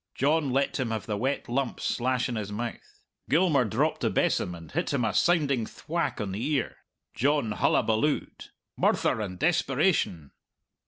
John let him have the wet lump slash in his mouth. Gilmour dropped the besom and hit him a sounding thwack on the ear. John hullabalooed. Murther and desperation!